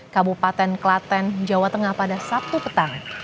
kabupaten klaten jawa tengah pada sabtu petang